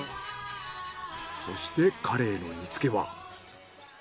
そしてカレイの煮付けは。